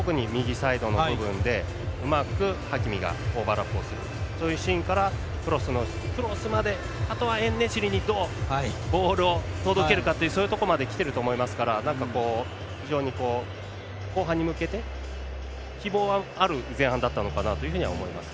特に右サイドの部分でうまくハキミがオーバーラップをするというシーンからクロスまであとはエンネシリにどうボールを届けるかというそういうところまできていると思いますから後半に向けて希望はある前半だったかなと思います。